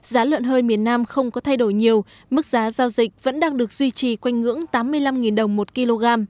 giá lợn hơi miền nam không có thay đổi nhiều mức giá giao dịch vẫn đang được duy trì quanh ngưỡng tám mươi năm đồng một kg